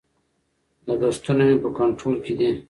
لګښتونه مې په کنټرول کې دي.